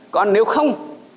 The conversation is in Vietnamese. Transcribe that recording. còn nếu không